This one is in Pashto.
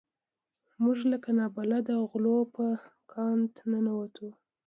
موږ لکه نابلده غلو په کادان ننوتو.